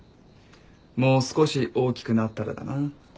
もう少し大きくなったらだな。